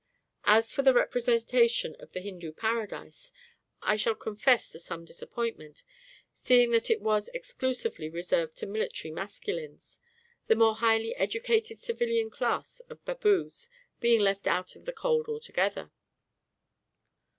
As for the representation of the Hindu Paradise, I shall confess to some disappointment, seeing that it was exclusively reserved to military masculines the more highly educated civilian class of Baboos being left out of the cold altogether!